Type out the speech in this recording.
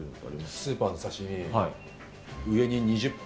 スーパーの刺身、上に２０パ